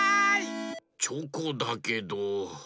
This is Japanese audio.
チョコだけど。